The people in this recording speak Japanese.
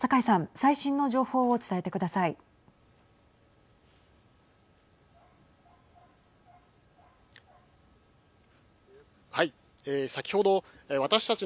最新の情報を伝えてください。